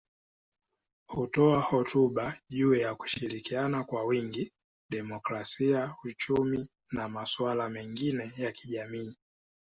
Hutoa hotuba juu ya kushirikiana kwa wingi, demokrasia, uchumi na masuala mengine ya kijamii.